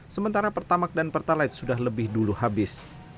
sementara pertamak dan pertalite sudah lebih dulu habis